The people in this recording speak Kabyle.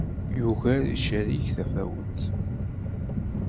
Yugar ucerrig tafawet.